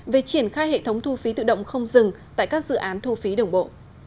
về triển khai hệ thống thu phí tự động không dừng tại các dự án thu phí đường bộ